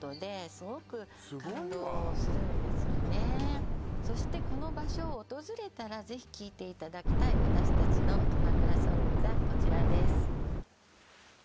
すごいわそしてこの場所を訪れたらぜひ聴いていただきたい私達の鎌倉ソングがこちらです